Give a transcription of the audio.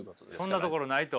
そんなところないと。